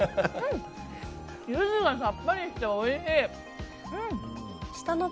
ユズがさっぱりしておいしい。